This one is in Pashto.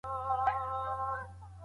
لوړ ولور د ځوانانو د واده مخنيوی کوي.